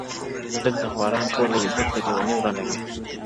دلته خواران ټوله وي دلته ليوني ورانوي؛